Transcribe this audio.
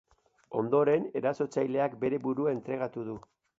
Ondoren, erasotzaileak bere burua entregatu du.